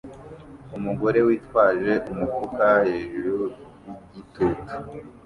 Umugore witwaje umufuka hejuru yigitugu